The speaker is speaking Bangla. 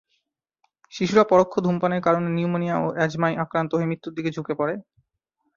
শিশুরা পরোক্ষ ধূমপানের কারণে নিউমোনিয়া ও অ্যাজমায় আক্রান্ত হয়ে মৃত্যুর দিকে ঝুঁকে পড়ে।